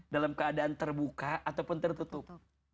dalam keadaan terbuka ataupun tertutup